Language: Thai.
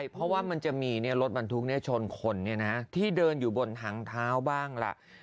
เพราะว่ามันจะมีรถบรรทุกชนคนที่เดินอยู่บนหางเท้าบ้างล่ะ